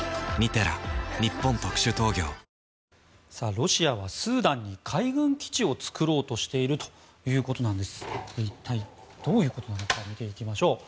ロシアはスーダンに海軍基地を作ろうとしているということなんですが一体、どういうことなのか見ていきましょう。